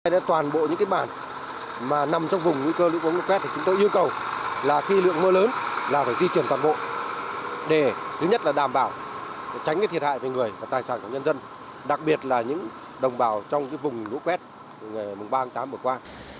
đây là toàn bộ những cái bản mà nằm trong vùng nguy cơ lũ quét chúng tôi yêu cầu là khi lượng mưa lớn là phải di chuyển toàn bộ để thứ nhất là đảm bảo tránh cái thiệt hại về người và tài sản của nhân dân đặc biệt là những đồng bào trong cái vùng lũ quét vùng bang tám vừa qua